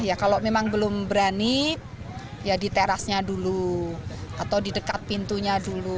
ya kalau memang belum berani ya di terasnya dulu atau di dekat pintunya dulu